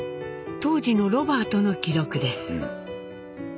当時のロバートの記録です。